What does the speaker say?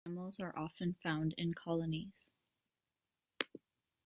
These animals are often found in colonies.